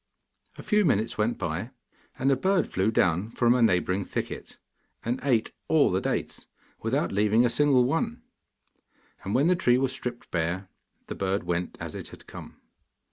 A few minutes went by, and a bird flew down from a neighbouring thicket, and ate all the dates, without leaving a single one. And when the tree was stripped bare, the bird went as it had come.